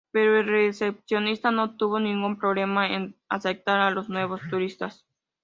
Pero el recepcionista no tuvo ningún problema en aceptar a los nuevos turistas.